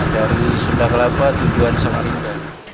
dari sunda kelapa tujuan samarinda